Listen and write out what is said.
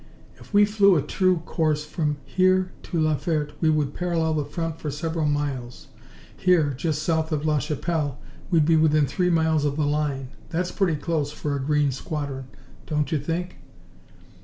"If we flew a true course from here to La Ferte we would parallel the front for several miles. Here, just south of la Chapelle, we'd be within three miles of the line. That's pretty close for a green squadron, don't you think?"